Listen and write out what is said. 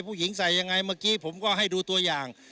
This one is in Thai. ผู้หญิงใส่ยังไงเมื่อกี้ผมก็ให้ดูตัวอย่าง